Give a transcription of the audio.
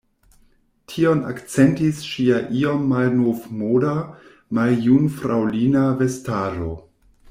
Tion akcentis ŝia iom malnovmoda, maljunfraŭlina vestaro.